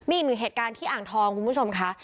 มีอีกหนึ่งเหตุการณ์ที่อ่างทองคุณผู้ชมค่ะ